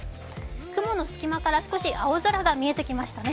雲の隙間から少し青空が見えてきましたね。